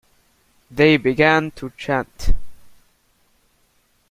They began to chant.